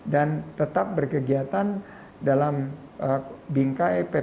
dan tetap berkegiatan dalam bingkai ppt